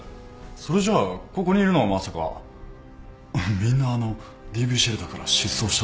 それじゃあここにいるのはまさかみんなあのＤＶシェルターから失踪した女の。